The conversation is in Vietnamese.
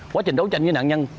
quá trình đấu tranh với nạn nhân